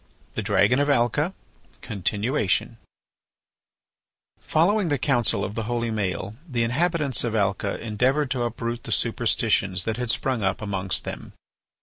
THE DRAGON OF ALCA (Continuation) Following the counsel of the holy Maël the inhabitants of Alca endeavoured to uproot the superstitions that had sprung up amongst them.